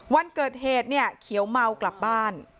วันเกิดเหตุเนี่ยเขียวเมากลับบ้าน